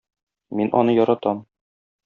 Мин аны яратам.